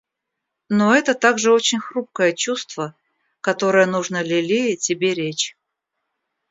Но это также очень хрупкое чувство, которое нужно лелеять и беречь.